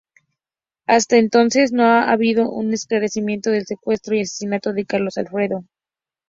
Hasta entonces, no ha habido un esclarecimiento del secuestro y asesinato de Carlos Alfredo.